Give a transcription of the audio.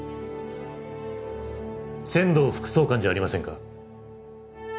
千堂副総監じゃありませんか？